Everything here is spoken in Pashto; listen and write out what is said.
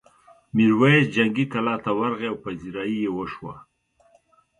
میرويس جنګي کلا ته ورغی او پذيرايي یې وشوه.